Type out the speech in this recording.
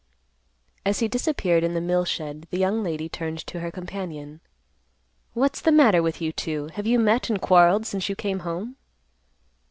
As he disappeared in the mill shed, the young lady turned to her companion, "What's the matter with you two? Have you met and quarreled since you came home?"